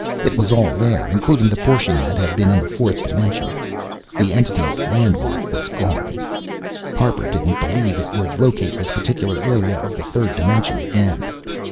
It was all there, including the portion that had been in the fourth dimension. The Entity's "landmark" was gone. Harper didn't believe It would locate this particular area of the third dimension again.